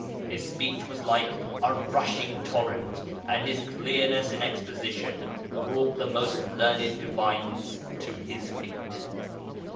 His speech was like a 'rushing torrent,' and his clearness in exposition brought the most learned divines to his feet.